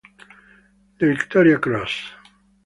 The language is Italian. The Victoria Cross